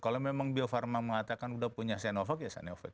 kalau memang bio farma mengatakan sudah punya sinovac ya sinovac